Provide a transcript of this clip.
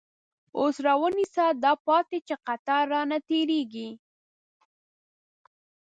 اوس را ونیسه دا پاتی، چه قطار رانه تیریږی